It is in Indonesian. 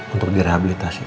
untuk direhabilitasi pak